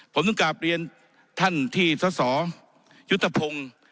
ผมต้องกลับเรียนท่านที่สสยุทธพงศ์